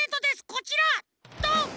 こちらどん！